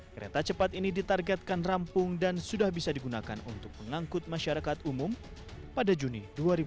kereta cepat ini ditargetkan rampung dan sudah bisa digunakan untuk mengangkut masyarakat umum pada juni dua ribu dua puluh